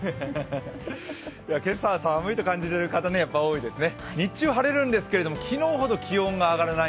今朝は寒いと感じている方やはり多いですね。